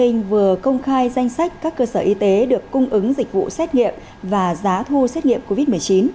sở y tế tp hcm vừa công khai danh sách các cơ sở y tế được cung ứng dịch vụ xét nghiệm và giá thu xét nghiệm covid một mươi chín